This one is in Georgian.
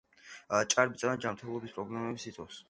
ჭარბი წონა ჯანმრთელობის პრობლემებს იწვევს.